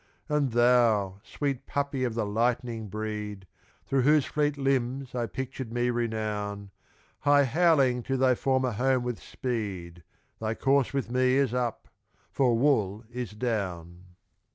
And thou, sweet puppy of the "Lightning" breed, Through whose fleet limbs I pictured me renown, Hie howling to thy former home with speed, Thy course with me is up for wool is down.